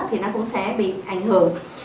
thì nó cũng sẽ bị ảnh hưởng